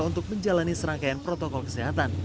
untuk menjalani serangkaian protokol kesehatan